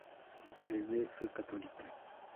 Es de fe católica.